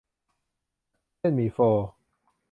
เส้นหมี่โฟ